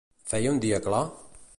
Feia un dia clar?